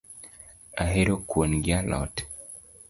Ahero kuon gi alot